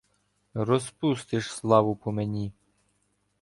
Розпустиш славу по мені!